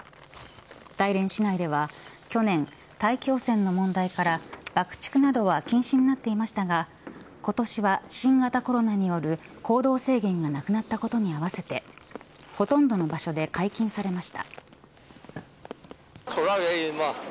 大連市内では去年大気汚染の問題から爆竹などは禁止になっていましたが今年は新型コロナによる行動制限がなくなったことに合わせてほとんどの場所で解禁されました。